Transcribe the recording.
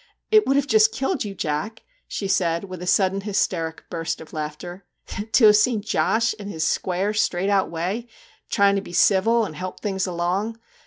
It would have just killed you, Jack,' she said, with a sudden hysteric burst of laughter, ' to have seen Josh, in his square, straight out way, trying to be civil and help things along.